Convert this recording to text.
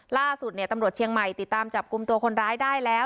ล่าสุดตำรวจเชียงใหม่ติดตามจับกลุ่มตัวคนร้ายได้แล้ว